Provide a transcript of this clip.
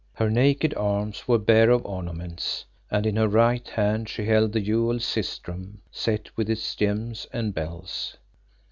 Her naked arms were bare of ornament, and in her right hand she held the jewelled sistrum set with its gems and bells.